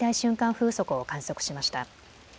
風速を観測しました。